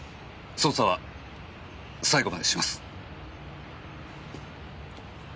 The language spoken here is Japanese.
捜査は最後までします。